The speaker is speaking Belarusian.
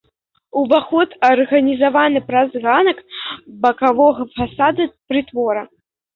Уваход арганізаваны праз ганак бакавога фасада прытвора.